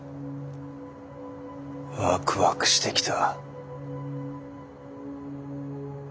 ワクワクしてきた。